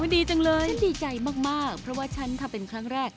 ดีจังเลยฉันดีใจมากเพราะว่าฉันทำเป็นครั้งแรก